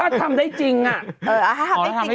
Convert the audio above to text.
เอ้าถ้าทำได้จริงอะเออถ้าทำได้จริง